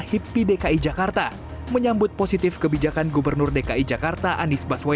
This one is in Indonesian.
hippi dki jakarta menyambut positif kebijakan gubernur dki jakarta anies baswedan